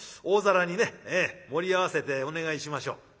大皿にね盛り合わせてお願いしましょう」。